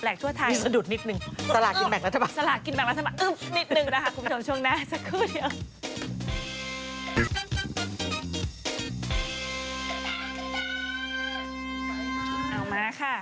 เอามาค่ะ